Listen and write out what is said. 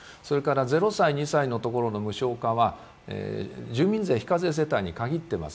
０歳２歳のところに無償化は、住民税非課税世帯に限っています